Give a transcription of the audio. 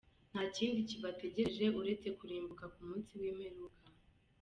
Nta kindi kibategereje uretse kurimbuka ku munsi w’imperuka.